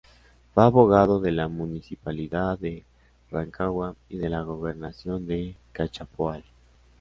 Fue abogado de la Municipalidad de Rancagua y de la Gobernación de Cachapoal.